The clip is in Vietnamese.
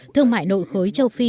thương mại nội khối châu phi